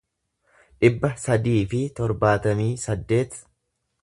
dhibba sadii fi torbaatamii saddeet